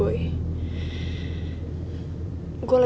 gue lagi gak mau tau apapun tentang dia